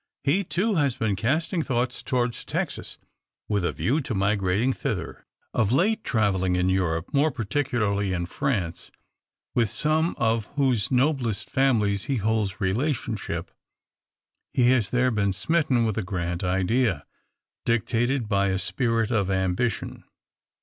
He, too, has been casting thoughts towards Texas, with a view to migrating thither. Of late travelling in Europe more particularly in France with some of whose noblest families he holds relationship, he has there been smitten with a grand idea, dictated by a spirit of ambition.